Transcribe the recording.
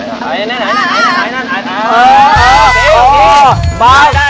ไอ้ไข่หลับ